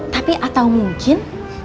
tapi atau mungkin